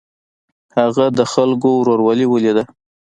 هغه د خلکو ورورولي ولیده.